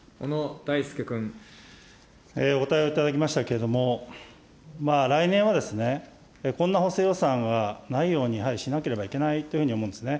お答えをいただきましたけれども、来年は、こんな補正予算はないようにやはりしなければいけないというふうに思うんですね。